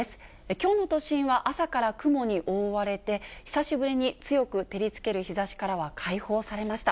きょうの都心は朝から雲に覆われて、久しぶりに強く照りつける日ざしからは解放されました。